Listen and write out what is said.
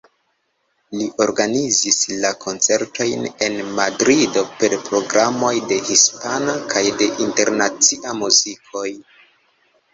Li organizis la koncertojn en Madrido per programoj de hispana kaj de internacia muzikoj.